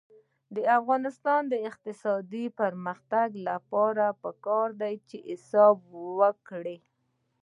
د افغانستان د اقتصادي پرمختګ لپاره پکار ده چې حساب وکړو.